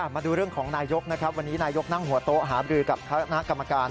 มาดูเรื่องของนายกนะครับวันนี้นายกนั่งหัวโต๊ะหาบรือกับคณะกรรมการ